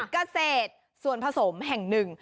เกษตรส่วนผสมแห่งหนึ่ง